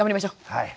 はい。